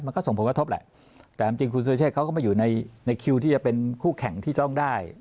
ส่งผลกระทบแหละแต่จริงคุณสุรเชษเขาก็มาอยู่ในคิวที่จะเป็นคู่แข่งที่ต้องได้